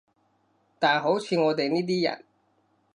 但好似我哋呢啲人